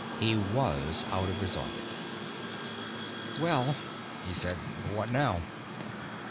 He was out of his orbit. "Well," he said, "what now?"